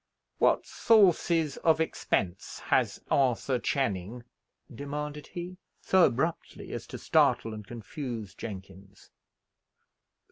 "What sources of expense has Arthur Channing?" demanded he, so abruptly as to startle and confuse Jenkins.